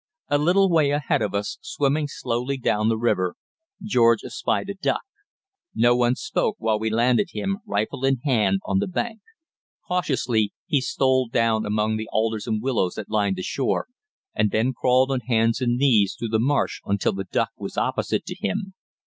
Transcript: A little way ahead of us, swimming slowly down the river, George espied a duck. No one spoke while we landed him, rifle in hand, on the bank. Cautiously he stole down among the alders and willows that lined the shore, and then crawled on hands and knees through the marsh until the duck was opposite to him.